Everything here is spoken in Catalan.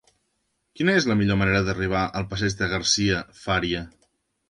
Quina és la millor manera d'arribar al passeig de Garcia Fària?